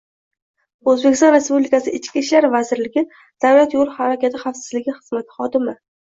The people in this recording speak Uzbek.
O‘zbekiston Respublikasi Ichki ishlar vazirligi Davlat yo‘l harakati xavfsizligi xizmati xodimi